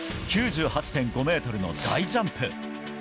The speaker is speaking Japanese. ９８．５メートルの大ジャンプ。